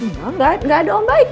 nggak nggak ada om baik di sini